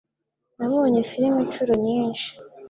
Nabonye film inshuro nyinshi